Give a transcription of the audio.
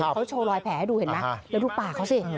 เขาโชว์รอยแผลให้ดูเห็นไหมแล้วดูปากเขาสิ